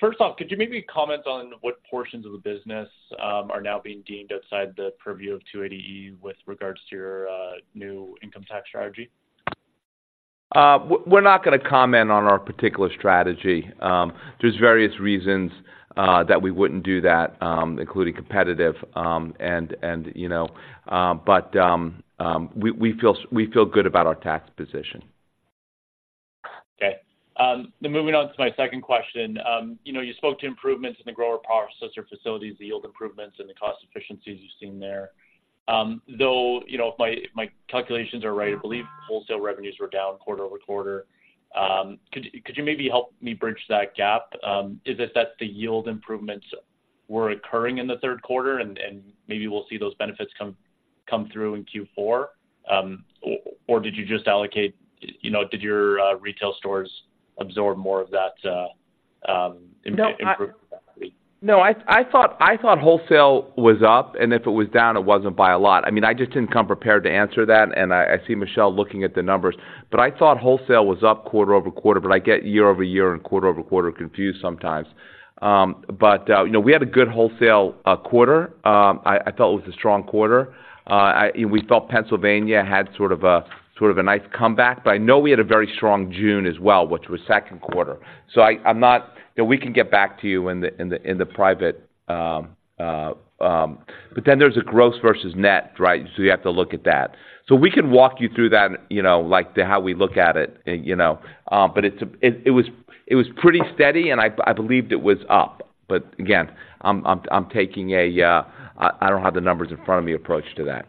First off, could you maybe comment on what portions of the business are now being deemed outside the purview of 280E with regards to your new income tax strategy? We're not gonna comment on our particular strategy. There's various reasons that we wouldn't do that, including competitive, and you know. We feel good about our tax position. Okay. Then moving on to my second question. You know, you spoke to improvements in the grower processor facilities, the yield improvements, and the cost efficiencies you've seen there. Though, you know, if my calculations are right, I believe wholesale revenues were down quarter-over-quarter. Could you maybe help me bridge that gap? Is it that the yield improvements were occurring in the third quarter and maybe we'll see those benefits come through in Q4? Or did you just allocate, you know, did your retail stores absorb more of that improve- No, I thought wholesale was up, and if it was down, it wasn't by a lot. I mean, I just didn't come prepared to answer that, and I see Michelle looking at the numbers. But I thought wholesale was up quarter-over-quarter, but I get year-over-year and quarter-over-quarter confused sometimes. But you know, we had a good wholesale quarter. I thought it was a strong quarter. I, we felt Pennsylvania had sort of a nice comeback, but I know we had a very strong June as well, which was second quarter. So I'm not... You know, we can get back to you in the private, but then there's a gross versus net, right? So you have to look at that. So we can walk you through that, you know, like the how we look at it, and, you know, but it's a... It was pretty steady, and I believed it was up. But again, I'm taking a I don't have the numbers in front of me approach to that.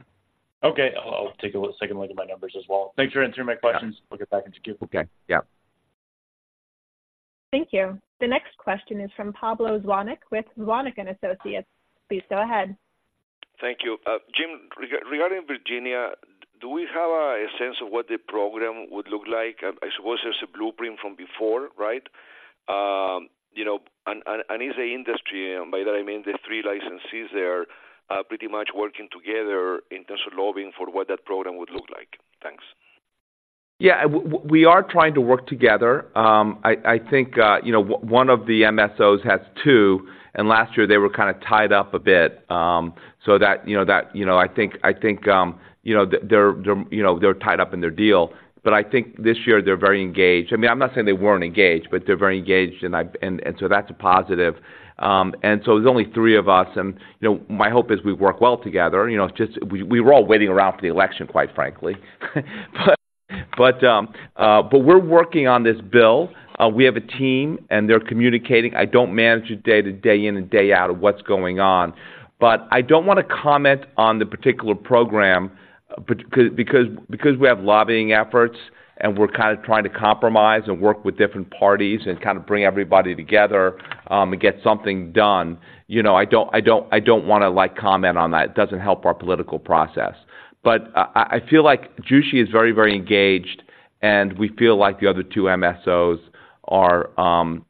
Okay. I'll, I'll take a second look at my numbers as well. Thanks for answering my questions. Yeah. We'll get back into queue. Okay. Yeah. Thank you. The next question is from Pablo Zuanic with Zuanic & Associates. Please go ahead. Thank you. Jim, regarding Virginia, do we have a sense of what the program would look like? I suppose there's a blueprint from before, right? You know, is the industry, and by that I mean, the three licensees there, pretty much working together in terms of lobbying for what that program would look like? Thanks. Yeah, we are trying to work together. I think, you know, one of the MSOs has two, and last year they were kind of tied up a bit, so that, you know, I think they're tied up in their deal, but I think this year they're very engaged. I mean, I'm not saying they weren't engaged, but they're very engaged, and so that's a positive. And so there's only three of us, and, you know, my hope is we work well together. You know, it's just we were all waiting around for the election, quite frankly. But we're working on this bill. We have a team, and they're communicating. I don't manage it day to day in and day out of what's going on, but I don't want to comment on the particular program, because we have lobbying efforts, and we're kind of trying to compromise and work with different parties and kind of bring everybody together, and get something done. You know, I don't, I don't, I don't wanna, like, comment on that. It doesn't help our political process. But I, I, I feel like Jushi is very, very engaged, and we feel like the other two MSOs are,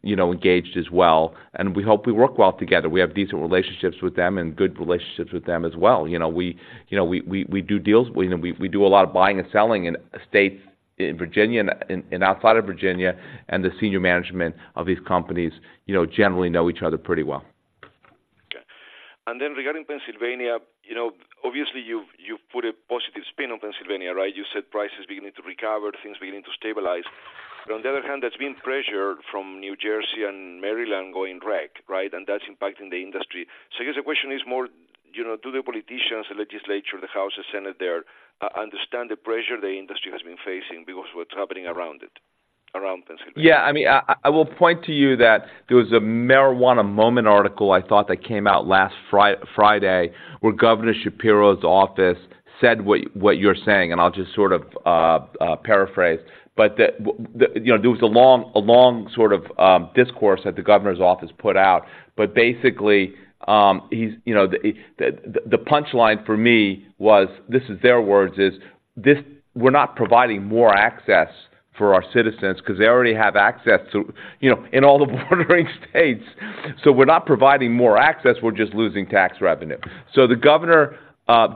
you know, engaged as well, and we hope we work well together. We have decent relationships with them and good relationships with them as well. You know, we, you know, we, we, we do deals. We do a lot of buying and selling in states, in Virginia, and outside of Virginia, and the senior management of these companies, you know, generally know each other pretty well. Okay. And then regarding Pennsylvania, you know, obviously, you've put a positive spin on Pennsylvania, right? You said prices beginning to recover, things beginning to stabilize. But on the other hand, there's been pressure from New Jersey and Maryland going rec, right? And that's impacting the industry. So I guess the question is more, you know, do the politicians, the legislature, the House and Senate there, understand the pressure the industry has been facing because of what's happening around it, around Pennsylvania? Yeah, I mean, I will point to you that there was a Marijuana Moment article I thought that came out last Friday, where Governor Shapiro's office said what you're saying, and I'll just sort of paraphrase. But the, the, you know, there was a long sort of discourse that the governor's office put out. But basically, he's, you know, the, he. The punchline for me was, this is their words, is: "This, we're not providing more access for our citizens because they already have access to, you know, in all the bordering states. So we're not providing more access, we're just losing tax revenue." So the governor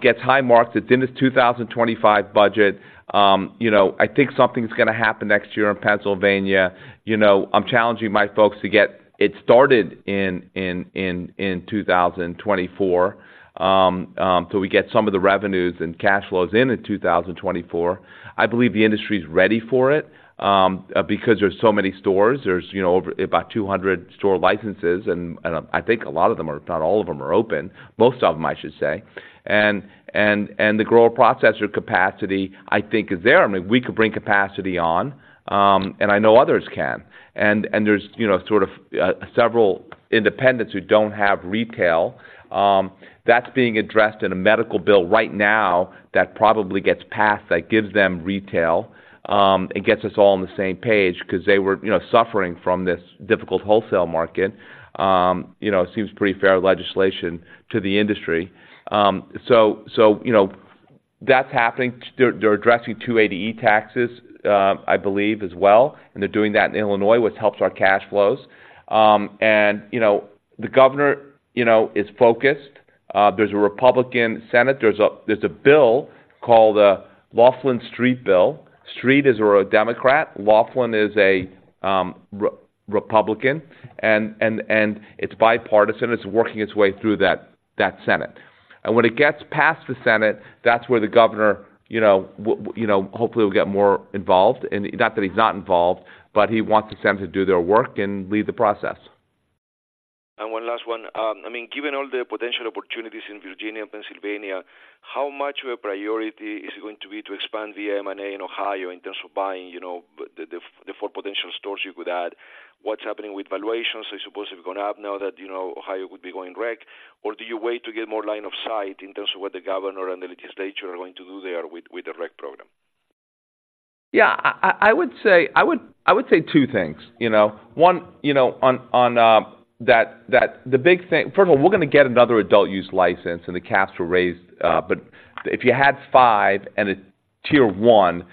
gets high marks. It's in his 2025 budget. You know, I think something's gonna happen next year in Pennsylvania. You know, I'm challenging my folks to get it started in 2024, so we get some of the revenues and cash flows in 2024. I believe the industry's ready for it, because there's so many stores. There's, you know, over about 200 store licenses, and I think a lot of them are, if not all of them, open. Most of them, I should say. And the grower processor capacity, I think, is there. I mean, we could bring capacity on, and I know others can. And there's, you know, sort of several independents who don't have retail. That's being addressed in a medical bill right now that probably gets passed, that gives them retail, and gets us all on the same page because they were, you know, suffering from this difficult wholesale market. You know, it seems pretty fair legislation to the industry. So, you know, that's happening. They're addressing 280E taxes, I believe, as well, and they're doing that in Illinois, which helps our cash flows. And, you know, the governor, you know, is focused. There's a Republican Senate. There's a bill called Laughlin-Street Bill. Street is a Democrat, Laughlin is a Republican, and it's bipartisan. It's working its way through that Senate. When it gets past the Senate, that's where the governor, you know, you know, hopefully will get more involved, and not that he's not involved, but he wants the Senate to do their work and lead the process. And one last one. I mean, given all the potential opportunities in Virginia and Pennsylvania, how much of a priority is it going to be to expand via M&A in Ohio in terms of buying, you know, the 4 potential stores you could add? What's happening with valuations? I suppose they're going up now that, you know, Ohio could be going rec, or do you wait to get more line of sight in terms of what the governor and the legislature are going to do there with the rec program? Yeah, I would say—I would say two things, you know. One, you know, on, on, that, that the big thing—first of all, we're gonna get another adult use license, and the caps were raised, but if you had five and a tier one,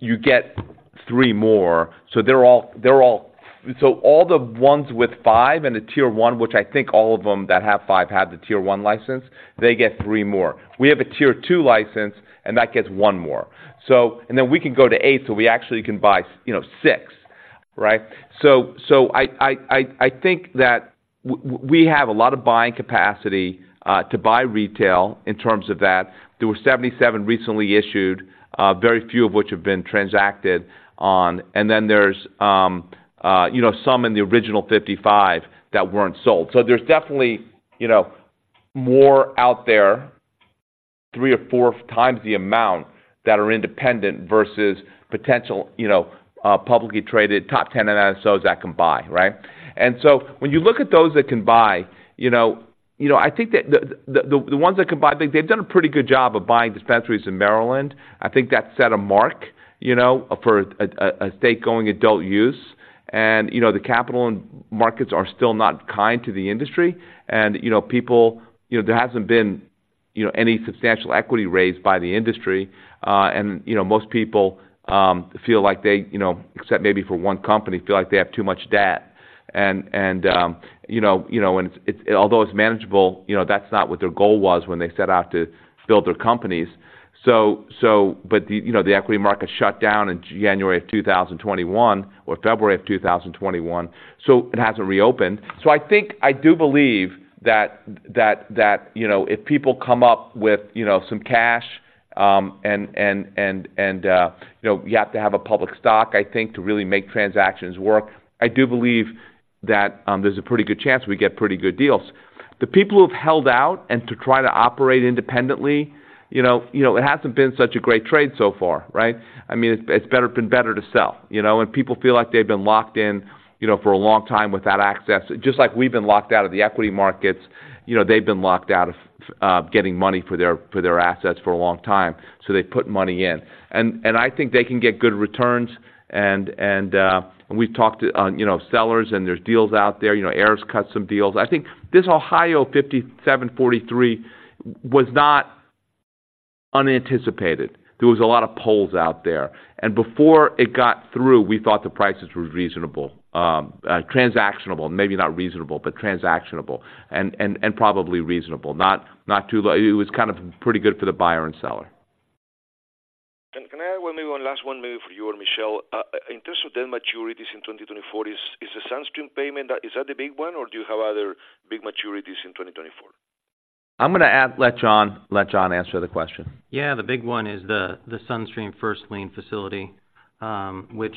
you get three more, so they're all, they're all... So all the ones with five and a tier one, which I think all of them that have five, have the tier one license, they get three more. We have a tier two license, and that gets one more. So, and then we can go to eight, so we actually can buy, you know, six, right? So, I think that we have a lot of buying capacity, to buy retail in terms of that. There were 77 recently issued, very few of which have been transacted on, and then there's, you know, some in the original 55 that weren't sold. So there's definitely, you know, more out there, three or four times the amount that are independent versus potential, you know, publicly traded top ten MSOs that can buy, right? And so when you look at those that can buy, you know, you know, I think that the ones that can buy, they've done a pretty good job of buying dispensaries in Maryland. I think that set a mark, you know, for a state going adult-use.... And, you know, the capital markets are still not kind to the industry. And, you know, people, you know, there hasn't been, you know, any substantial equity raised by the industry. And, you know, most people feel like they, you know, except maybe for one company, feel like they have too much debt. And, you know, you know, and although it's manageable, you know, that's not what their goal was when they set out to build their companies. But, you know, the equity market shut down in January of 2021, or February of 2021, so it hasn't reopened. So I think—I do believe that, you know, if people come up with, you know, some cash, and, you know, you have to have a public stock, I think, to really make transactions work. I do believe that, there's a pretty good chance we get pretty good deals. The people who have held out and to try to operate independently, you know, you know, it hasn't been such a great trade so far, right? I mean, it's, it's better—been better to sell, you know, and people feel like they've been locked in, you know, for a long time without access. Just like we've been locked out of the equity markets, you know, they've been locked out of getting money for their, for their assets for a long time, so they put money in. And I think they can get good returns, and we've talked to, you know, sellers, and there's deals out there. You know, Ayr has cut some deals. I think this Ohio 57-43 was not unanticipated. There was a lot of polls out there, and before it got through, we thought the prices were reasonable, transactional, maybe not reasonable, but transactional and probably reasonable. Not too low. It was kind of pretty good for the buyer and seller. Can I add maybe one last one, maybe for you or Michelle? In terms of debt maturities in 2024, is the SunStream payment the big one, or do you have other big maturities in 2024? I'm gonna add... Let Jon, let Jon answer the question. Yeah, the big one is the SunStream first lien facility, which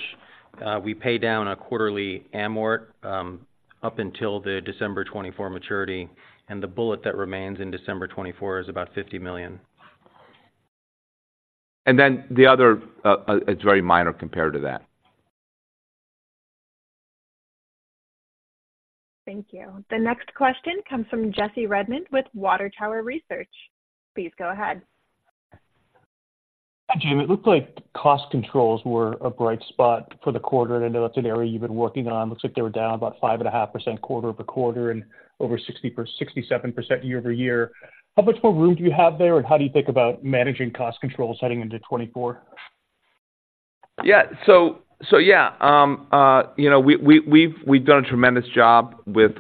we pay down a quarterly amort up until the December 2024 maturity, and the bullet that remains in December 2024 is about $50 million. And then the other, it's very minor compared to that. Thank you. The next question comes from Jesse Redmond with Water Tower Research. Please go ahead. Jim, it looked like cost controls were a bright spot for the quarter, and I know that's an area you've been working on. Looks like they were down about 5.5% quarter-over-quarter and over 67% year-over-year. How much more room do you have there, and how do you think about managing cost control heading into 2024? Yeah. So yeah, you know, we've done a tremendous job with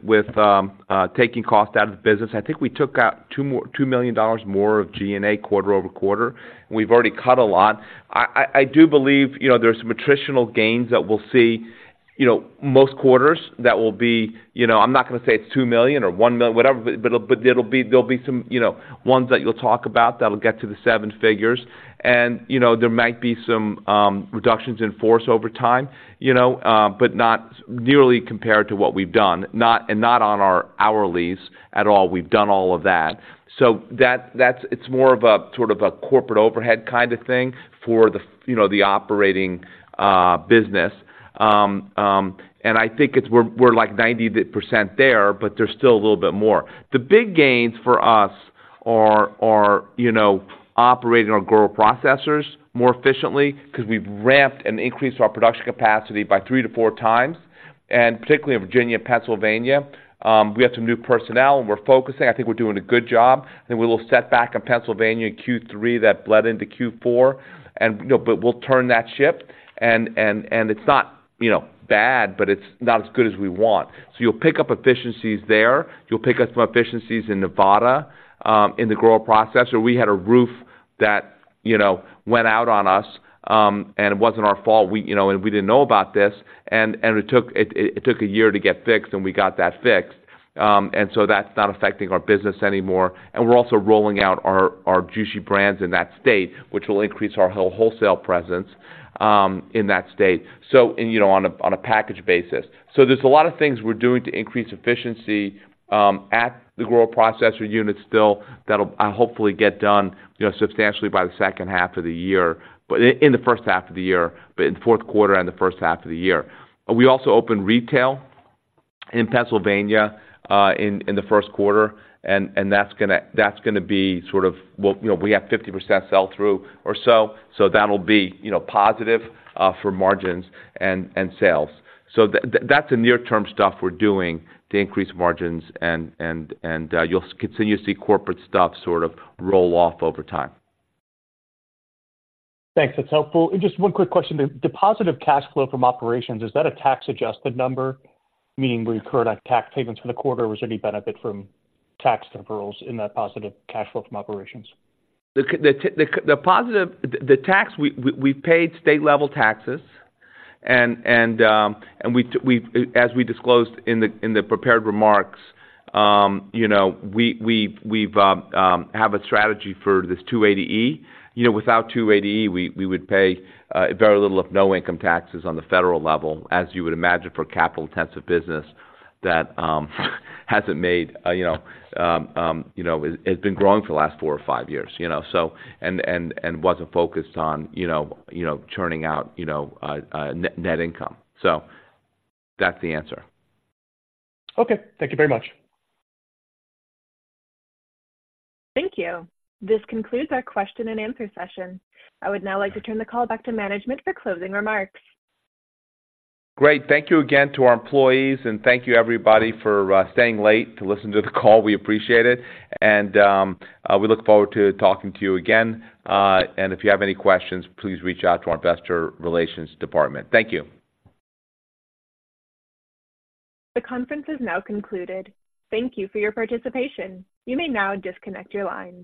taking cost out of the business. I think we took out $2 million more of G&A quarter-over-quarter. We've already cut a lot. I do believe, you know, there's some attritional gains that we'll see, you know, most quarters that will be... You know, I'm not gonna say it's $2 million or $1 million, whatever, but it'll be, there'll be some, you know, ones that you'll talk about that'll get to the seven figures. And, you know, there might be some reductions in force over time, you know, but not nearly compared to what we've done. Not, and not on our hourlies at all. We've done all of that. So that's it. It's more of a sort of a corporate overhead kind of thing for the, you know, the operating business. And I think we're like 90% there, but there's still a little bit more. The big gains for us are, you know, operating our grower-processors more efficiently because we've ramped and increased our production capacity by 3x to 4x, and particularly in Virginia and Pennsylvania. We have some new personnel, and we're focusing. I think we're doing a good job. Then we will set back in Pennsylvania in Q3, that bled into Q4, and, you know, but we'll turn that ship. And it's not, you know, bad, but it's not as good as we want. So you'll pick up efficiencies there. You'll pick up some efficiencies in Nevada in the grower-processor. We had a roof that, you know, went out on us, and it wasn't our fault. We, you know, we didn't know about this, and it took a year to get fixed, and we got that fixed. So that's not affecting our business anymore. And we're also rolling out our Jushi brands in that state, which will increase our whole wholesale presence in that state, so, and, you know, on a package basis. So there's a lot of things we're doing to increase efficiency at the grower-processor units still, that'll hopefully get done, you know, substantially by the second half of the year, but in the first half of the year, but in the fourth quarter and the first half of the year. We also opened retail in Pennsylvania in the first quarter, and that's gonna be sort of... Well, you know, we have 50% sell-through or so, so that'll be, you know, positive for margins, and you'll continue to see corporate stuff sort of roll off over time. Thanks. That's helpful. Just one quick question. The positive cash flow from operations, is that a tax-adjusted number, meaning we incurred on tax payments for the quarter, or was there any benefit from tax deferrals in that positive cash flow from operations? The positive, the tax we paid state-level taxes, and we, as we disclosed in the prepared remarks, you know, we have a strategy for this 280E. You know, without 280E, we would pay very little or no income taxes on the federal level, as you would imagine, for capital intensive business that hasn't made, you know, it, it's been growing for the last four or five years, you know, so. And wasn't focused on, you know, churning out net income. So that's the answer. Okay. Thank you very much. Thank you. This concludes our question and answer session. I would now like to turn the call back to management for closing remarks. Great. Thank you again to our employees, and thank you, everybody, for staying late to listen to the call. We appreciate it, and we look forward to talking to you again, and if you have any questions, please reach out to our investor relations department. Thank you. The conference is now concluded. Thank you for your participation. You may now disconnect your lines.